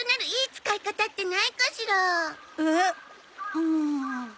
うん。